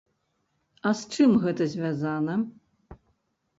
А з чым гэта звязана?